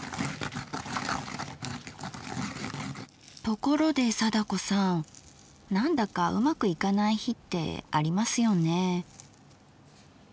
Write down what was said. ところで貞子さんなんだかうまくいかない日ってありますよね。